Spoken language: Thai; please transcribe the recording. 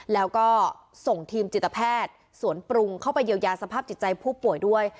แล้วก็ส่งทีมจิตแพทย์สวนปรุงเข้าไปเยียวยาสภาพจิตใจผู้ป่วยด้วย